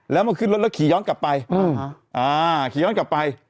แล้วมาขึ้นรถแล้วขี่ย้อนกลับไปขี่ย้อนกลับไป